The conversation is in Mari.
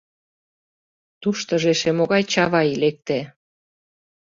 Туштыжо эше могай Чавай лекте?